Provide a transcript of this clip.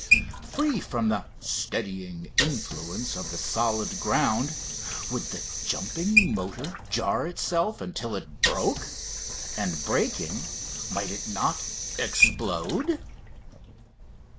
Free from the steadying influence of the solid ground, would the jumping motor jar itself until it broke? And, breaking, might it not explode?